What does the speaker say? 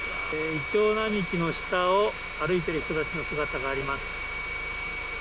イチョウ並木の下を歩いている人たちの姿があります。